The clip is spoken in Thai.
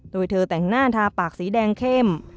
โดยเธอแต่งหน้าทาปากสีแดงเข้ม